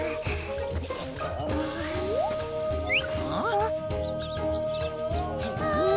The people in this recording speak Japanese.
ああ！